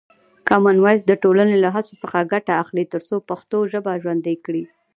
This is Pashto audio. کامن وایس د ټولنې له هڅو څخه ګټه اخلي ترڅو پښتو ژبه ژوندۍ کړي.